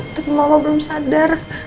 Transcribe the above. tapi mama belum sadar